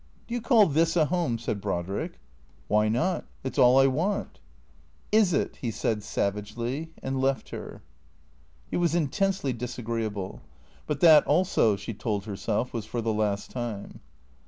" Do you call this a home ?" said Brodrick. "Why not? It 's all I want." " Is it ?" he said savagely, and left her. He was intensely disagreeable; but that also, she told herself, was for the last time.